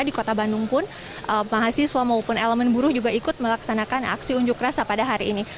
di kota bandung pun mahasiswa maupun elemen buruh juga ikut melaksanakan aksi unjuk rasa pada hari ini